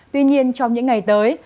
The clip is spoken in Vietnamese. tuy nhiên trong những ngày tới